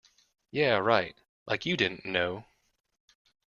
Yeah, right, like you didn't know!